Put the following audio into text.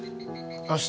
明日